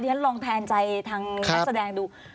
เดี๋ยวฉันสแตงใจทางดุ